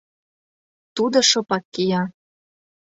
Тудо шыпак кия.